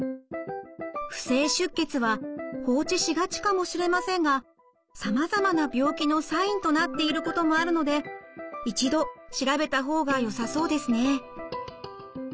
不正出血は放置しがちかもしれませんがさまざまな病気のサインとなっていることもあるので一度調べた方がよさそうですね。